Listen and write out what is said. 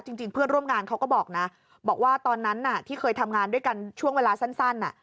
จริงเพื่อนร่วมงานเขาก็บอกนะบอกว่าตอนนั้นที่เคยทำงานด้วยกันช่วงเวลาสั้น